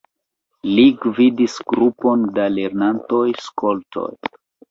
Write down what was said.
Li gvidis grupon da lernantoj-skoltoj.